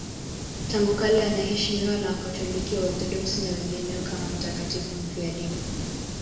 Tangu kale anaheshimiwa na Wakatoliki, Waorthodoksi na wengineo kama mtakatifu mfiadini.